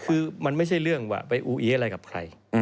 คือมันไม่ใช่เรื่องว่าไปอูอีอะไรกับใคร